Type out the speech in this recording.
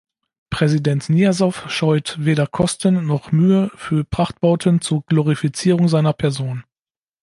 Präsident Nijasow scheut weder Kosten noch Mühe für Prachtbauten zur Glorifizierung seiner Person.